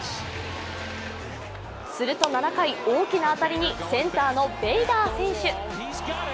すると７回、大きな当たりにセンターのベイダー選手。